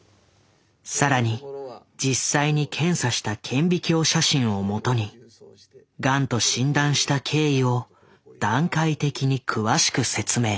更に実際に検査した顕微鏡写真をもとにガンと診断した経緯を段階的に詳しく説明。